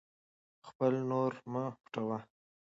خپل نور مه پټوئ.